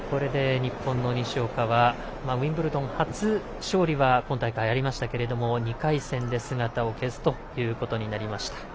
日本の西岡はウィンブルドン初勝利は今大会ありましたけれども２回戦で姿を消すということになりました。